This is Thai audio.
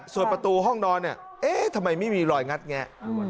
ส่วนประตูห้องนอนเอ๊ะทำไมไม่มีรอยงัดอย่างนี้